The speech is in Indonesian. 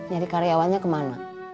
jadi karyawannya kemana